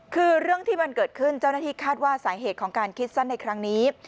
คือเรื่องที่มันเกิดขึ้นเจ้าหน้าที่คาดว่าสาเหตุของการคิดสั้นในครั้งนี้